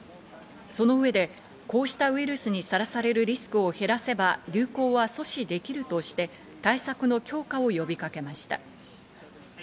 その上でこうしたウイルスにさらされるリスクを減らせば流行は阻止できるとして対策の強化を呼びかけました。